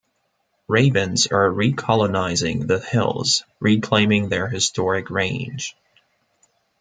Ravens are recolonizing the hills, reclaiming their historic range.